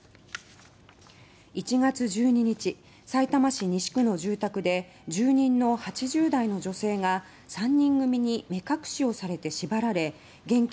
１月１２日さいたま市西区の住宅で住人の８０代の女性が３人組に目隠しをされて縛られ現金